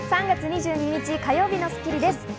３月２２日、火曜日の『スッキリ』です。